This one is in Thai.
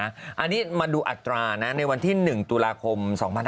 อันนี้มาดูอัตรานะในวันที่๑ตุลาคม๒๕๖๒